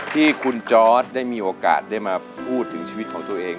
ที่คุณจอร์ดได้มีโอกาสได้มาพูดถึงชีวิตของตัวเอง